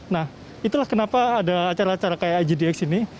nah itulah kenapa ada acara acara kayak igdx ini